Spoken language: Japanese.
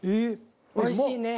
おいしいね。